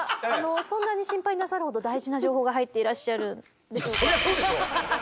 そんなに心配なさるほど大事な情報が入っていらっしゃるんでしょうか？